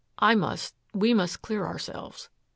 I must we must clear ourselves.